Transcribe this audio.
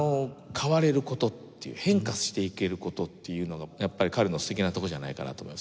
変われる事っていう変化していける事っていうのがやっぱり彼の素敵なところじゃないかなと思います。